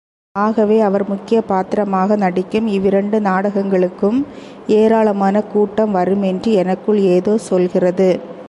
ஆகவே, அவர் முக்கியப் பாத்திரமாக நடிக்கும் இவ்விரண்டு நாடகங்களுக்கும் ஏராளமான கூட்டம் வரும் என்று எனக்குள் ஏதோ சொல்கிறது.